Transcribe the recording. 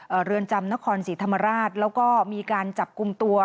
เรือนจำนครศรีธรรมราชแล้วก็มีการจับกลุ่มตัว